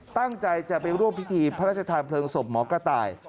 ตั้งใจจะไปร่วมพิธีพระราชทานเพลิงศพหมอกระต่าย